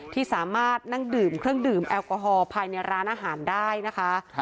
ที่สามารถนั่งดื่มเครื่องดื่มแอลกอฮอลภายในร้านอาหารได้นะคะ